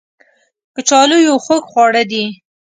کچالو یو خوږ خواړه دی